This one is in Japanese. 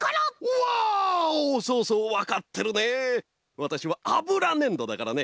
わたしはあぶらねんどだからね！